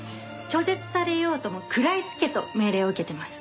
拒絶されようとも食らいつけと命令を受けてます。